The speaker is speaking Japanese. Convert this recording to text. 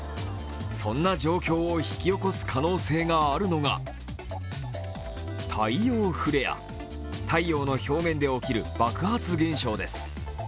そんな状況を引き起こす可能性があるのが太陽フレア、太陽の表面で起きる爆発現象です。